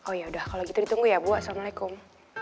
oh ya udah kalau gitu ditunggu ya bu assalamu'alaikum